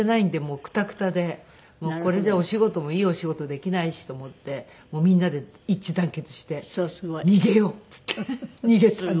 これじゃお仕事もいいお仕事できないしと思ってみんなで一致団結して逃げようって言って逃げたんです。